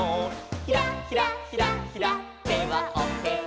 「ひらひらひらひら手はおへそ」